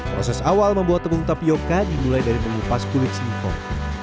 proses awal membuat tepung tapioca dimulai dari mengupas kulit singkong